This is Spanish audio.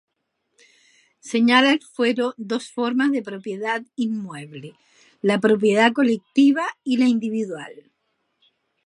Señala el fuero dos formas de propiedad inmueble: la propiedad colectiva y la individual.